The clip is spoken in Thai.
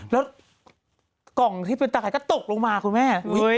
แล้วกล่องที่เป็นตะไข่ก็ตกลงมาคุณแม่